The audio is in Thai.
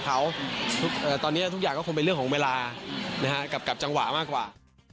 เขาตอนนี้ทุกอย่างก็คงเป็นเรื่องของเวลากับจังหวะมากกว่า